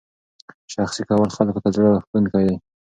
شخصي کول خلکو ته زړه راښکونکی دی.